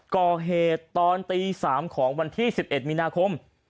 ก่อเหตุตอนตี๓ของวันที่๑๑มีนาคม